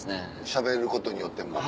しゃべることによってもう。